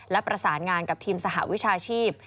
และประสานงานกับทีมสหวิชาชีพ